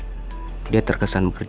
kebetulan dia juga pengen ikut majalah ini